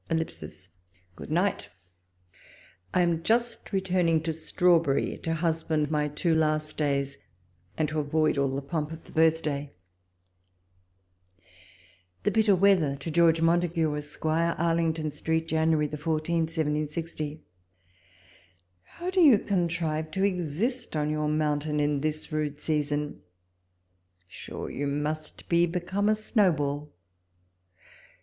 ... Good night! I am just returning to Strawberry, to husband my two last days and to avoid all the pomp of the birthday. ... THE BITTER WEATHER. To George Montagu, Esq. Arlington Street, Jan. 14, 1760. How do you contrive to exist on your mountain in this rude season ? Sure you must be become a snowball